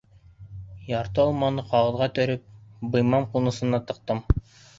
Ярты алманы ҡағыҙға төрөп быймам ҡунысына тыҡтым.